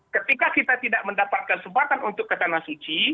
ketika kita tidak mendapatkan kesempatan untuk ke tanah suci